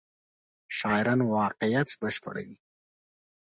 شاعران واقعیت بشپړوي.